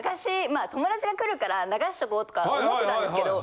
まあ友達が来るから流しとこうとか思ってたんですけど。